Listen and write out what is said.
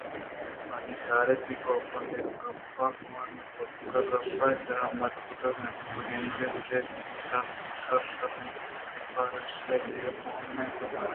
"آئیءَ چار اِت کہ کاف ءَ آئی ءِ گپ کمار نہ کُت گڑا گپ ءِ سرحالءَ مٹ کُت اَنتءُپہ کندگ گوٛشتئے""شر شرّیں پر ایشی دگہ کوہےنہ کپیت"